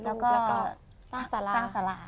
แล้วก็สร้างสลา